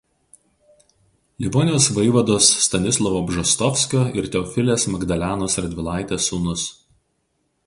Livonijos vaivados Stanislovo Bžostovskio ir Teofilės Magdalenos Radvilaitės sūnus.